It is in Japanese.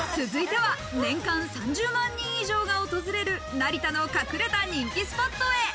続いては年間３０万人以上が訪れる、成田の隠れた人気スポットへ。